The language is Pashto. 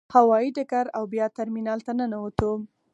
هوايي ډګر او بیا ترمینال ته ننوتو.